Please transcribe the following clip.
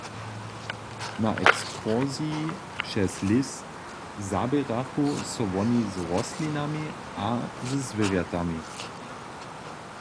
Na ekskursiji přez lěs zaběrachu so woni z rostlinami a ze zwěrjatami.